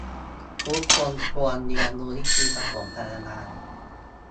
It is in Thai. ทุกคนควรเรียนรู้วิธีปฐมพยาบาล